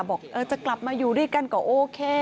บอกจะกลับมาอยู่ด้วยกันก็โอเค